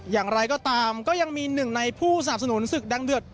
อย่างไรก็ตามก็ยังมีหนึ่งในผู้สนับสนุนศึกดังเดือด